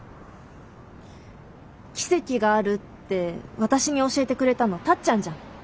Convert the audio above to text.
奇跡があるって私に教えてくれたのタッちゃんじゃん。